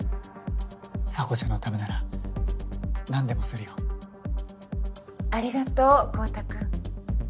沙帆ちゃんのためなら何でもするよありがとう昊汰君。